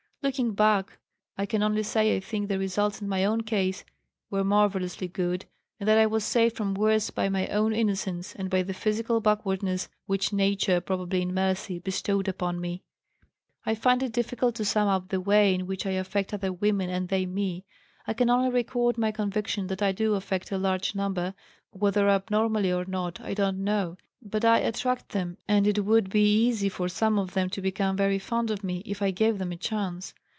"Looking back, I can only say I think, the results in my own case were marvellously good, and that I was saved from worse by my own innocence and by the physical backwardness which nature, probably in mercy, bestowed upon me. "I find it difficult to sum up the way in which I affect other women and they me. I can only record my conviction that I do affect a large number, whether abnormally or not I don't know, but I attract them and it would be easy for some of them to become very fond of me if I gave them a chance.